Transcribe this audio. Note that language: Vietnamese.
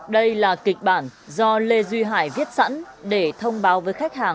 đây là kịch bản do lê duy hải viết sẵn để thông báo với khách hàng